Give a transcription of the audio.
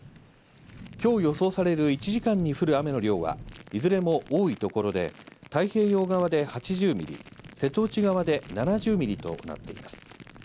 きょう予想される１時間に降る雨の量はいずれも多い所で、太平洋側で８０ミリ、瀬戸内側で７０ミリとなっています。